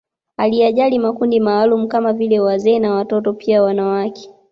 Aliyajali makundi maalumu kama vile wazee na watoto pia wanawake